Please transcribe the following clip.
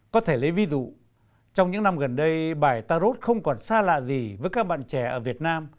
có thể lấy ví dụ trong những năm gần đây bài tarot không còn xa lạ gì với các bạn trẻ ở việt nam